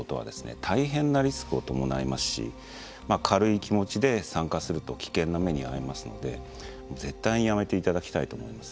軽い気持ちで参加すると危険な目に遭いますので絶対にやめていただきたいと思います。